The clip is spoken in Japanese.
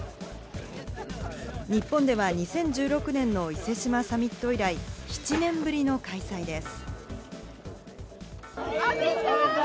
日本では２０１６年の伊勢志摩サミット以来、７年ぶりの開催です。